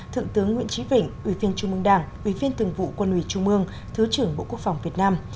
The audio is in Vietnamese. thượng tướng nguyễn trí vĩnh ủy viên trung mương đảng ủy viên thường vụ quân ủy trung mương thứ trưởng bộ quốc phòng việt nam